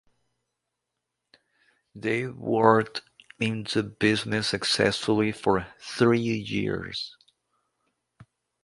They worked in the business successfully for three years.